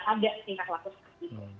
ada tingkah laku seperti itu